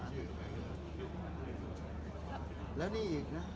แล้วนี่อีกนะ